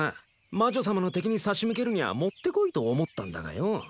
魔女様の敵に差し向けるにゃあもってこいと思ったんだがよ。